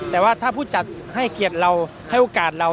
แต่ว่าถ้าผู้จัดให้เกียรติเราให้โอกาสเรา